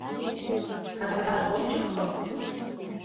Адакат ончыкто!